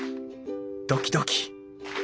ドキドキ！